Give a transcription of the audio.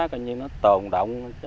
coi như nó tồn động